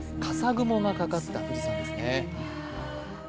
雲がかかった富士山です。